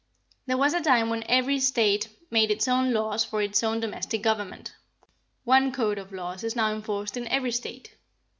There was a time when every State made its own laws for its own domestic government. One code of laws is now enforced in every State.